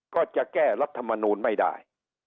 ก็จะแก้รัฐมนูลไม่ได้